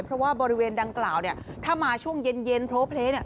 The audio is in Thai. เพราะว่าบริเวณดังกล่าวถ้ามาช่วงเย็นเพราะเพล้น